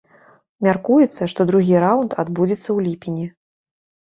Мяркуецца, што другі раўнд адбудзецца ў ліпені.